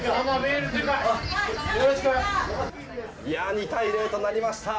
２対０となりました。